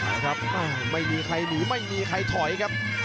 ครับไม่มีใครหนีไม่มีใครถอยครับ